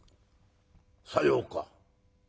「さようか。